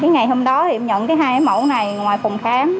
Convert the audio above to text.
ngày hôm đó em nhận hai mẫu này ngoài phòng khám